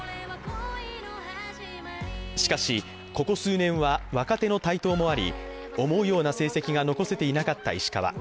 しかし、ここ数年は若手の台頭もあり、思うような成績が残せていなかった石川。